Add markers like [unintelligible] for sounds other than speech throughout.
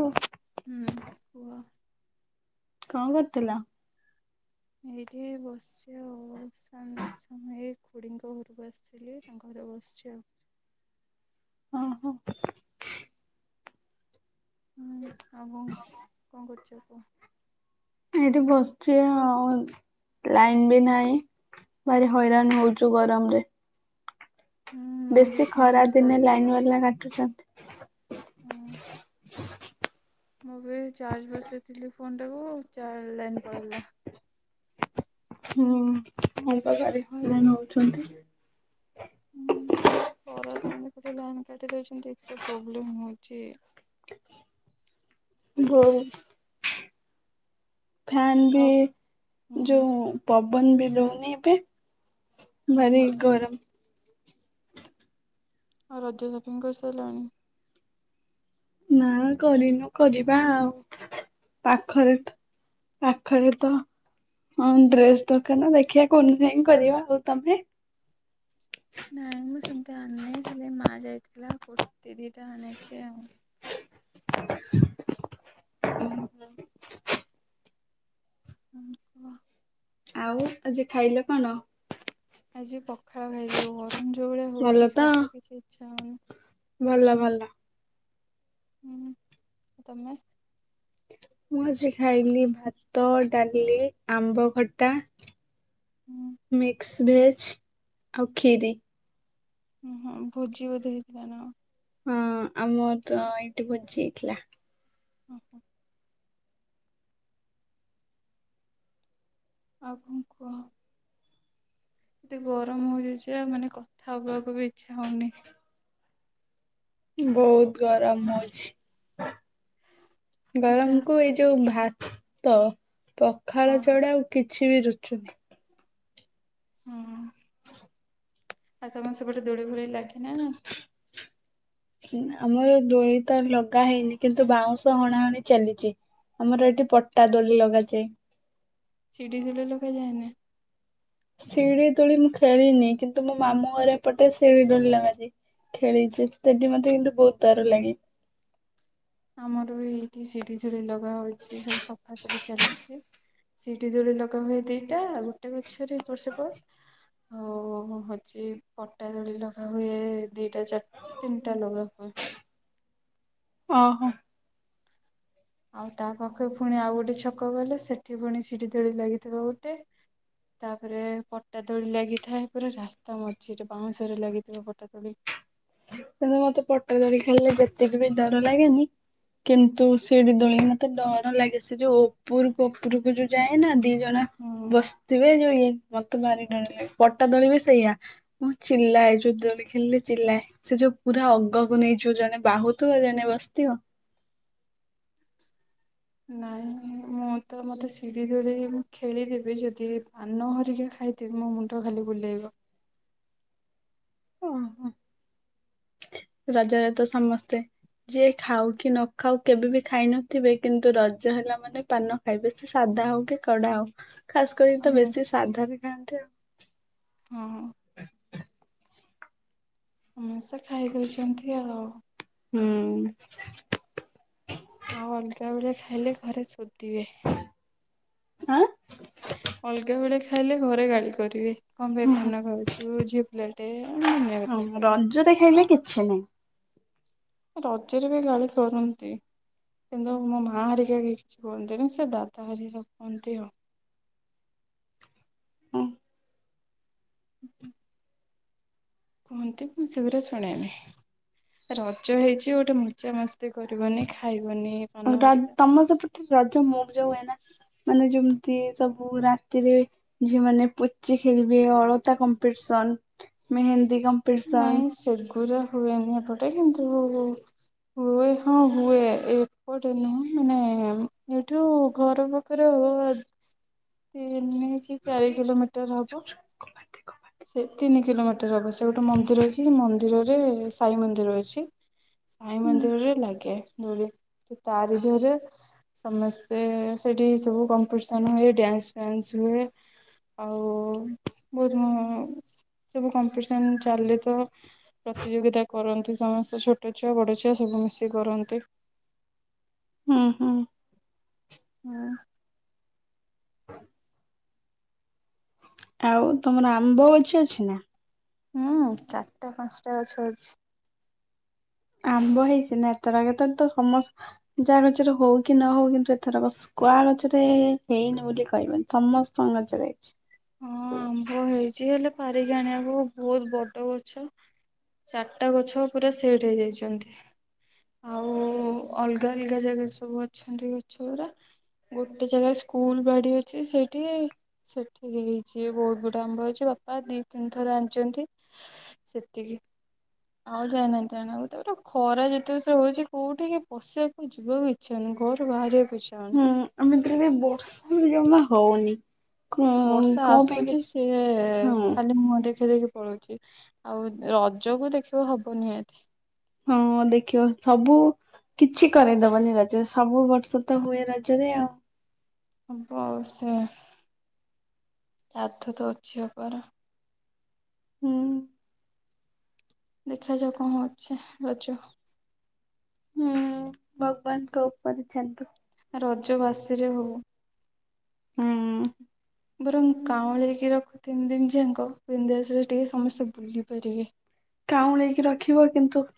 Two ଉଁ କୁଅ? କଁ କରୁଥିଲ? ଏଇଠି ବସିଚି ଆଉ ସମ୍ ସାମାୟ ଖୁଡିଙ୍କ ଘରକୁ ଆସଥିଲି ତାଙ୍କ ଘରେ ବସଚି ଆଉ। ଓ ହୋ। ହୁଁ ଆଉ କଣ କଁ କରୁଚ କୁଅ? ଏଇଠି ବସଚୁ ଆଉ ଲାଇନ ବି ନାହିଁ। ଭାରି ହଇରାଣ ହଉଚୁ ଗରମ ରେ। ହୁଁ ମୁଁ ବି ବେଶୀ ଫୋନ ଖରା ଚାର୍ଜ ଦିନେ ଲଗ ଲାଇନ୍ ବାଲିୟା କାଟୁଚ। ହୁଁ। ମୁଁ ବି ଚାର୍ଜ ବସେଇଥିଲି ଫୋନ ଟାକୁ ଚାର ଲାଇନ ପଳଲା। ହୁଁ [unintelligible] ହଇରାଣ ହେଉଚନ୍ତି। ହୁଁ ପରଦିନରେ ଗୋଟେ ଲାଇନ୍ କାଟି ଦଉଛନ୍ତି ଏତେ ପ୍ରୋବ୍ଲେମ ହଉଚି। ବୋଉତ୍ ଫେନ ବି ଆଉ ହୁଁ ଯୋଉ ପବନ ବି ଦୋଉନି ଏତେ ହୁଁ ଭାରି ଗରମ। ଆଉ ରଜ ସପିଂ କରିସାଇଲଣି? ନା କରିନୁ କରିବା ଆଉ ପାଖରେ ଥ ପାଖରେ ତ ହଁ ଡ୍ରେସ ଦୋକାନ ଦେଖିବା କନୁନାଇଁ କରିବା ଆଉ ତମେ? ନାଇଁ ମୁଁ ସେମତି ଆଣିନି ଖାଲି ମା ଯାଇଥିଲା କୁର୍ତ୍ତୀ ଦିଟା ଆଣିଛି ଆଉ। ଉଁ ଆଉ ଆଜି ଖାଇଲ କଣ? ଆଜି ପଖାଳ ଖାଇଯି ଗରମ ଯୋଉ ଭଳିଆ ଭଲ ହଉଛି ତ? ଛାଡ଼ କିଛି ଇଚ୍ଛା ହଉନି। ଭଲ ଭଲ। ହୁଁ ଆ ତମେ? ମୁଁ ଆଜି ଖାଇଲି ଭାତ, ଡାଲି, ଆମ୍ବଖଟା ହୁଁ ମିକ୍ସ ଭେଜ ଆଉ ଖିରି। ଓୁ ହଁ ଭୋଜି ବୋଧ ହେଇଥିଲା ନାଅ? ହଁ ଆମର ତ ଏଇଠି ବୋଜି ଏଇଥିଲା। ଓହ। ଆଉ କଁ କୁହ? ଏତେ ଗରମ ହଉଜିଜେ ଆ ମାନେ କଥା ହବାକୁ ବି ଇଛା ହଉନି। ବହୁତ ଗରମ ହଉଛି। ଆଛା ଗରମଙ୍କୁ ଏଇ ଯୋଉ ଭାତ ପଖାଳ ହଁ ଛଡା ଆଉ କି ଛି ରୁଚୁନି। ହୁଁ। ଆଉ ତମ ସେପଟେ ଦୁଳି ଫୁଳି ଲଗିନା ଆମର ଦୋଇ ତ ଲଗା ହେଇନି କିନ୍ତୁ ବାଉଁଶ ହଣାହଣି ଚାଲିଚି। ଆମର ଏଠି ପଟା ଦୋଳି ଲଗାଯାଏ। ସେଡିି କୁଡେ ଲୋକ ଯାଏନା? ସିଡି ଦୋଳି ମୁଁ ଖେଳିନି କିନ୍ତୁ ମୋ ମାମୁଁ ଘରେ ପଟେ ଶିଡି ଦୋଳି ଲଗାଯାଏ। ଖେଳିଚି ସେଠି ମତେ କିନ୍ତୁ ବହୁତ ଡର ଲାଗେ। ଆମର ବି ଏଇଠି ସିଢି ଚିଡି ଲଗା ହଉଚି ସବୁ ସଫା ଚାଲିଚି ସିଡି ଦୋଳି ଲଗା ହୁଏ ଦିଟା ଆଉ ଗୋଟେ ଗଛରେ ଏପଟସେପଟ୍ ଆଉ ହଉଚି ପଟା ଦୋଳି ଲଗା ହୁଏ ଦିଟା ଚା ତିନିଟା ଲଗା ହୁଏ। ଓ ହୋ ଆଉ ତା ପାଖେ ପୁଣି ଆଉ ଗୋଟେ ଛକ ଗଲେ ସେଠି ପୁଣି ସିଡି ଦୋଳି ଲାଗିଥିବ ଗୋଟେ। ତାପରେ ପଟା ଦୋଳି ଲାଗିଥାଏ ପୁରା ରାସ୍ତା ମଝିରେ ବାଉଁଶ ରେ ଲାଗିଥିବ ପଟା ଦୋଳି। କିନ୍ତୁ ମତେ ପଟା ଦୋଳି ଖେଳିଲେ ଯେତିକି ବି ଡର ଲାଗେନି କିନ୍ତୁ ସିଢ଼ି ଦୋଳି ମତେ ଡର ଲାଗେ ସେ ଯୋଉ ଉପରକୁ ଉପରକୁ ଯୋଉ ଯାଏ ନା ଦି ଜଣା ହୁଁ ବସିଥିବେ ଯଇ ମତେ ଭାରି ଡରଲାଗେ ପଟା ଦୁଳିବି ସେଇଆ। ମୁଁ ଚିଲାଏ ଯୋଉ ଦୋଳି ଖେଳିଲେ ଚିଲାଏ ସେ ଯୋ ପୁରା ଅଗକୁ ନେଇଯିବ ଜଣେ ବାହୁଥିବ ଜଣେ ବସିଥିବ। ନାଇଁ ମୁଁ ତ ମତେ ସିଢ଼ି ଦୋଳି ଖେଳିଦେବି ଯଦି ପାନ ହରିକି ଖାଇ ଥିବି ମୋ ମୁଣ୍ଡ ଖାଲି ବୁଲେଇବ। ଓହୋ ରଜରେ ତ ସମସ୍ତେ ଯିଏ ଖାଉ କି ନ ଖାଉ କେବେ ବି ଖାଇ ନଥିବେ କିନ୍ତୁ ରଜ ହେଲା ମାନେ ପାନ ଖାଇବେ ସେ ସାଧା ହଉ କି କଡା ହଉ ଖାସ୍ କରିକି ତ ବେଶୀ ସମସ୍ତେ ସାଧା ବି ଖାଆନ୍ତି ଆଉ ହଁ-ହଁ। ହୁଁ ସେ ଖାଇଦଉଚନ୍ତି ଆଉ। ହୁଁ। ଆଉ ଅଲଗା ବେଳେ ଖାଇଲେ ଘରେ ଶୋଧିବେ। ଆଁ ଅଲଗା ବେଳେ ଖାଇଲେ ଘରେ ଗାଳି କରିବେ। କଣ ପାଇଁ ପାନ ଖାଉଚୁ ଝିଅ ପିଲାଟେ ଅନ୍ୟ କଥା କହିବେ। ଯୋଉଟା ଖାଇଲେ କିଛି ନାହିଁ। ରଜରେ ବି ଗାଳି କରନ୍ତି। କିନ୍ତୁ ମୋ ମା ହେରିକା କକେହି କିଛି କୁହନ୍ତିନି ସେ ଦାଦା ହରିକା କୁହନ୍ତି ଆଉ ଉଁ [inaudible] କୁହନ୍ତି ମୁଁ ସେଗୁରା ଶୁଣେନି। ରଜ ହେଇଚି ଗୋଟେ ମଜା ମସ୍ତି କରିବନି ଖାଇବନି। ପାନ [unintelligible] ହେରିକା ତମ ସେପଟେ ରଜ ମୋଉଜ ହୁଏ ନା? ମାନେ ଯେମିତି ସବୁ ରାତିରେ ଝିଅ ମାନେ ପୋଚି ଖେଳିବେ ଅଳତା କମ୍ପିଟିସନ ମେହେନ୍ଦୀ କମ୍ପ ନାଇଁ ସେଗୁରା ହୁଏନି ଏପଟେ କିନ୍ତୁ ହୁଏ ହଁ ହୁଏ ଏପଟେ ନୁହଁ ମାନେ ଏଇଠୁ ଘର ପାଖରେ ହବ ତିନି କି ଚାରି କିଲୋମିଟର ହବ। ସେ ତିନି କିଲୋମିଟର ହବ ସେଉଠୁ ମନ୍ଦିର ଅଛି ସେ ମନ୍ଦିରରେ ସାଇ ମନ୍ଦିର ଅଛି। ସାଇଁ ହୁଁ ମନ୍ଦିରରେ ଲାଗେ ଦୋଳି ତ ତାରି ଧରେ ସମସ୍ତେ ସେଇଠି ସବୁ କମ୍ପିଟିସନ୍ ହୁଏ ଡ୍ୟାନ୍ସ୍ ଫ୍ୟାନ୍ସ୍ ହୁଏ। ଆଉ ବହୁତ ସବୁ କମ୍ପିଟିସନ୍ ଚାଲେ ତ ପ୍ରତିଯୋଗିତା କରନ୍ତି ସମସ୍ତେ ଛୋଟ ଛୁଆ ବଡ଼ ଛୁଆ ସବୁ ମିଶି କରନ୍ତି। ହୁଁ-ହୁଁ ହୁଁ। ଆଉ ତମର ଆମ୍ବ ଗଛ ଅଛି ନା? ହୁଁ ଚାରିଟା ପାଞ୍ଚଟା ଗଛ ଅଛି। ଆମ୍ବ ହେଇଛି ନା ଏଥରା କେତ ତ ତ ସମ ଯାହା ଗଛରେ ହଉ କି ନ ହଉ କିନ୍ତୁ ଏଥର ବସ କୁହା ଗଛରେ ହେ ହେଇନି ବୋଲି କହିବନି ସମସ୍ତଙ୍କ ଗଛରେ ହେଇଛି। ହଁ ଆମ୍ବ ହେଇଛି ହେଲେ ପାରିକି ଆଣିବାକୁ ବହୁତ ବଡ ଗଛ। ଚାରିଟା ଗଛ ପୁରା ସେଟ ହେଇଯାଇଛନ୍ତି। ଆଉ ଅଲଗା ଅଲଗା ଜାଗା ସବୁ ଅଛନ୍ତି ଗଛଗୁରା। ଗୋଟେ ଜାଗାରେ ସ୍କୁଲ ବାଡି ଅଛି ସେଇଠି ପୁରି ହେଇଛି ବହୁତ ଗୁଡ଼ିଏ ଆମ୍ବ ହେଇଚି ବାପା ଦିଇ ତିନି ଥର ଆଣିଛନ୍ତି। ସେତିକି। ଆଉ ଯାଇନାହାନ୍ତି ଆଣିବାକୁ ତାପରେ ଖରା ଯେତେ ଯୋର୍ଶରେ ହଉଛି କୋଉଠିକି ପଶିବା କି ଯିବାକୁ ଇଚ୍ଛା ହଉନି ଘରୁ ବାହାରିବାକୁ ଇଛା ହଉ ହଁ ଆମେ ତ ଇଆଡ଼େ ବର୍ଷା ବି ଜମା ହଉନି। କଣ ବର୍ଷା କଣ ପାଇଁ କେ ଆସୁଛି ସିଏ ହଁ ଖାଲି ମୁହଁ ଦେଖେଇଦେଇକି ପଳଉଛି। ଆଉ ରଜ କୁ ଦେଖିବ ହବ ନିିହାତି। ହଁ ଦେଖିବ ସବୁ କିଛି କରେଇ ଦବନି ରଜରେ ସବୁ ବର୍ଷ ତ ହୁଏ ରଜରେ ଆଉ। ହବ ଆଉ ସେ ତାର ତ ଅଛି ହବାର। ହୁଁ। ଦେଖାଯାଉ କଣ ଅଛି ରଜ। ହୁଁ ଭଗବାନଙ୍କ ଉପରେ ଛାଡ଼ନ୍ତୁ। ଆ ରଜ ବାସି ରେ ହଉ। ହୁଁ। ବରଂ କାଉଁଲେଇକି ରଖୁ ତିନି ଦିନି ଯାଙ୍କ ବିନ୍ଧାସରେ ଟିକେ ସମସ୍ତେ ବୁଲିପାରିବେ। କାଉଁଲେଇକି ରଖିବ କିନ୍ତୁ?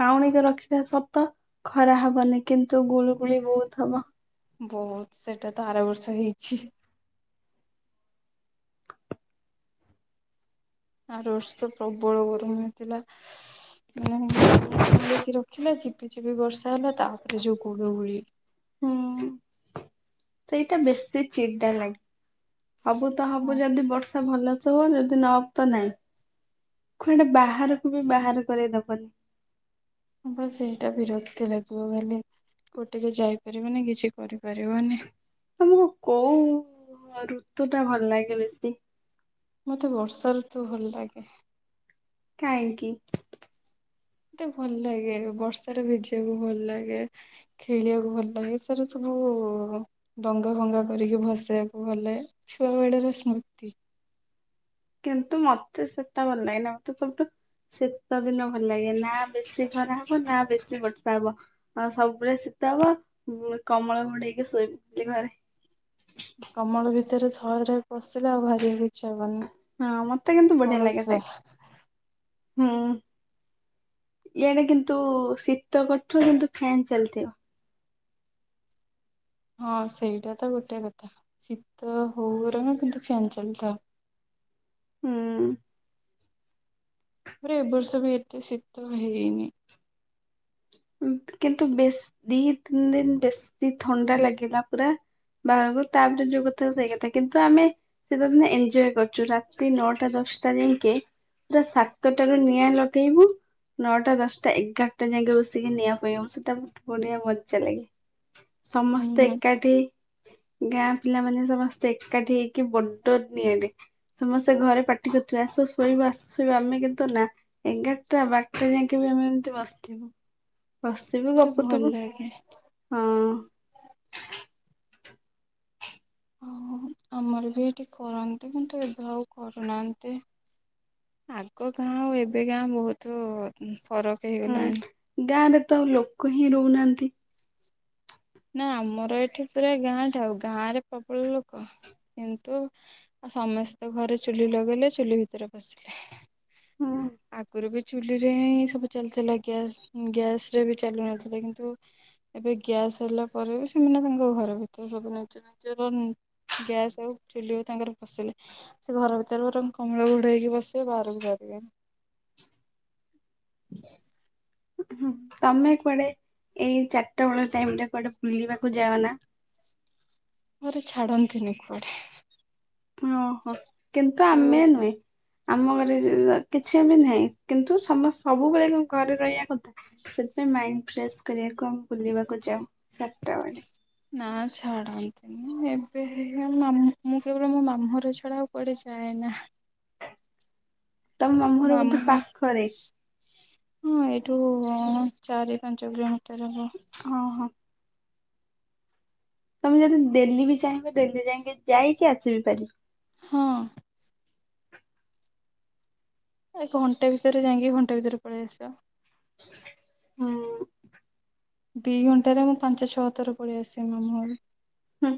କାଉଁଲେଇକୁ ରଖିବା ସତ ଖରା ହବନି କିନ୍ତୁ ଗୁଳୁଗୁଳି ବହୁତ ହବ। ବହୁତ ସେଇଟା ତ ଆର ବର୍ଷ ହେଇଛି। ଆର ବର୍ଷ ତ ପ୍ରବଳ ଗରମ ହେଇଥିଲା। ମାନେ କାଉଁଳେଇ କି ରଖିଲା ଝିପି ଝିପି ବର୍ଷା ହେଲା। ତାପରେ ଯୋଉ ଗୁଳୁ ଗୁଳି। ହୁଁ ସେଇଟା ବେଶି ଚିଡା ଲାଗେ ହବୁ ତ ହଁ ହବୁ ଯଦି ଯଦି ବର୍ଷା ଭଲସେ ହୋ ଯଦି ନୋହୋବୁ ତ ନାଇଁ କୁଆଡ଼େ ବାହାରକୁ ବି ବାହାର କରେଇଦବନି। ବାସ୍ ଏଇଟା ବିରକ୍ତି ଲାଗିବ ଖାଲି କୁଆଡ଼େ ଟିକେ ଯାଇପାରିବନି କିଛି କରିପାରିବନି। ତମକୁ କୋଉ ଋତୁ ଟା ଭଲ ଲାଗେ ବେଶୀ? ମତେ ବର୍ଷା ଋତୁ ଭଲ ଲାଗେ। କାହିଁକି? ମତେ ଭଲ ଲାଗେ ବର୍ଷାରେ ଭିଜିବାକୁ ଭଲ ଲାଗେ। ଖେଳିବାକୁ ଭଲ ଲାଗେ ସେରା ସବୁ ଡଙ୍ଗା ଭଙ୍ଗା କରିକି ଭସେଇବାକୁ ଭଲ ଲାଗେ ଛୁଆ ବେଳର ସ୍ମୃତି। କିନ୍ତୁ ମତେ ସେଟା ଭଲ ଲାଗେନି ମତେ ସବୁଠୁ ଶୀତ ଦିନ ଭଲ ଲାଗେ। ନା ବେଶୀ ଖରା ହବ ନା ବେଶୀ ବର୍ଷା ହବ। ଆଉ ସବୁବେଳେ ଶୀତ ହବ ଉ କମଳ ଘୋଡ଼େଇ ହେଇକି ଶୋଇପଡୁଚି ଘରେ। କମଳ ଭିତରେ ଥରେ ପସିଲେ ଆଉ ବାହାରି ବାକୁ ଇଛା ହେବନି। ହଁ ମତେ କିନ୍ତୁ ବଢିଆ ଲାଗେ ସେଇଠି ହୁଁ। ଇଆଡେ କିନ୍ତୁ ଶୀତ କରୁଥିବ କିନ୍ତୁ ଫ୍ୟନ୍ ଚାଲିଥିବ। ହଁ ସେଇଟା ତ ଗୋଟେ କଥା ଶୀତ ହଉ ବରଂ କିନ୍ତୁ ଫ୍ୟାନ୍ ଚାଲିଥାଉ। ହୁଁ। ତାପରେ ଏ ବର୍ଷ ବି ଏତେ ଶୀତ ହେଇନି। ଉଁ କିନ୍ତୁ ବେଶ୍ ଦି ତିନି ଦିନ ବେଶୀ ଥଣ୍ଡା ଲାଗିଲା ପୁରା। ବାହୁକୁ ତାପରେ ଯୋଉ କଥା ସେଇଥା କିନ୍ତୁ ଆମେ। ଶିତ ଦିନେ ଏଞ୍ଜଏ କରୁଚୁ ରାତି ନଅଟା ଦଶ୍ଟା ଯାଁକେ ପୁରା ସାତଟା ରୁ ନିଆଁ ଲଗେଇବୁ ନଅଟା ଦଶଟା ଏଗାରଟା ଯାକେ ବ ଶିକିନିଆଁ ପଇଁହେବୁ ସେଟା ବଢିଆ ମଜା ଲାଗେ ହୁଁ ସମସ୍ତେ ହୁଁ ଏକାଠି ଗାଁ ପିଲାମାନୋନେ ସମସ୍ତେ ଏକାଠି ହେଇକି ବଡ ଟେଣ୍ଡେ ସମସ୍ତେ ଘରେ ପାଟି କରୁଥିବେ ଆସ ଶୋଇବ ଆସ ଶୋଇବ ଆମେ କିନ୍ତୁ ନା। ଏଗାରଟା ବାରଟା ଯାକେ ବି ଆମେ ଏମିତି ବସିଥିବୁ। ବସିଥିବୁ ସେଟା ଭଲ ଗପୁଥିବୁ ଲାଗେ। ହଁ। ହଁ ଆମର ବି ଏଠି କରନ୍ତି କିନ୍ତୁ ଏବେ ଆଉ କରୁନାହାନ୍ତି। ଆଗ ଗାଁ ଆଉ ଏବେ ଗାଁ ବହୁତ ଫରକ ହେଇଗଲାଣି। ହୁଁ ଗାଁରେ ତ ଲୋକ ହିଁ ରହୁନାହାନ୍ତି। ନା ଆମର ଏଠି ପୁରା ଗାଁ ଟା ଆଉ ଗାଁ ରେ ପ୍ରବଳ ଲୋକ କିନ୍ତୁ ସମସ୍ତେ ଘରେ ଚୁଲି ଲଗେଇଲେ ଚୁଲି ଭିତରେ ପସିଲେ। ହୁଁ। ଆଗୁରୁ ବି ଚୁଲିରେ ହିଁ ସବୁ ଚାଲୁଥିଲା ଗ୍ୟାସ୍ ଗ୍ୟାସ୍ ରେ ବି ଚାଲୁନଥିଲା କିନ୍ତୁ ଏବେ ଗ୍ୟାସ୍ ହେଲା ପରେ ବି ସେମାନେ ତାଙ୍କ ଘର ଭିତରେ ସବୁ ନିଜ ନିଜର ଗ୍ୟାସ୍ ହଉ ଚୁଲିରେ ତାଙ୍କର ପସିଲେ। ସେ ଘର ଭିତରେ ବରଂ କମଳ ଘୋଡେଇହେଇକି ବସିବେ ବାହାରକୁ ବାହାରିବେନି। ହୁଁ ତମେ କୁଆଡେ ଏଇ ଚାରିଟା ବେଳ ଟାଇମ ରେ କୁଆଡେ ବୁଲିବାକୁ ଯାଅ ନା? ମୋର ଛାଡନ୍ତିନି କୁଆଡେ। ଓହୋ କିନ୍ତୁ ଓ ଆମେ ନୁହେଁ। ଆମ ଘରେ କିଛି ବି ନାହିଁ କିନ୍ତୁ ସମ ସବୁବେଳେ କଁ ଘରେ ରହିବା କଥା? ସେଥିପାଇଁ ମାଇଣ୍ଡ ଫ୍ରେଶ କରିବାକୁ ଆମେ ବୁଲିବାକୁ ଯାଉ ଚାରିଟା ବଡେ। ନା ଛାଡ଼ନ୍ତି ଏବେ [unintelligible] ମୁଁ କେବଳ ମୋ ମାମୁଁର ଛଡା ଆଉ କୁଆଡେ ଯାଏ ନା। ତମ ଘର ବୋଧେ ମାମୁଁ ପାଖରେ ହଁ ଏଇଠୁ ଚାରି ପାଞ୍ଚ କିଲୋମିଟର ହବ। ହଁ ହଁ। ତମେ ଯଦି ଡେଲୀ ବି ଚାହିଁବ ଡେଲୀ ଯାଇକି ଯାଇକି ଆସିବି ପାରିବ। ହଁ। ଏ ଘଣ୍ଡେ ଭିତରେ ଯାଇଁକି ଘଣ୍ଡେ ଭିତରେ ପଳେଇ ଆସିବା। ହଁ। ଦିଘଣ୍ଟାରେ ମୁଁ ପାଞ୍ଚ ଛଅ ଥର ପଳେଇ ଆସେ ମାମୁଁ ଘରୁ। ହୁଁ।